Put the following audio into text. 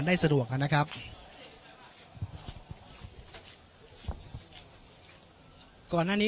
ไม่เป็นไรไม่เป็นไร